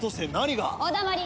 お黙り！